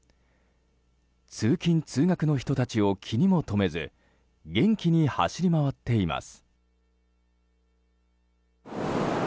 通勤・通学の人たちを気にも留めず元気に走り回っています。